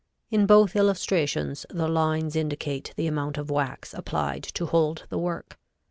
In both illustrations the lines indicate the amount of wax applied to hold the work.